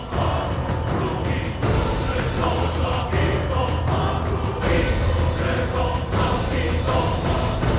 kian santang telah sembuh dari ingatannya